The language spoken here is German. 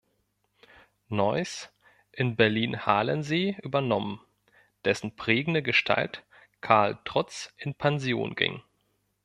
Neuss in Berlin-Halensee übernommen, dessen prägende Gestalt Karl Trutz in Pension ging.